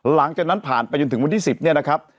หลังจากนั้นผ่านไปจนถึงวันที่๑๐เนี่ยนะครับ